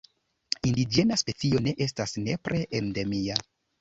Indiĝena specio ne estas nepre endemia.